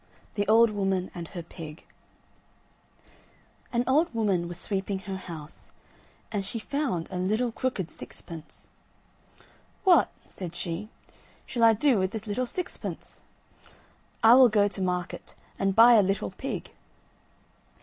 THE OLD WOMAN AND HER PIG An old woman was sweeping her house, and she found a little crooked sixpence. "What," said she, "shall I do with this little sixpence? I will go to market, and buy a little pig."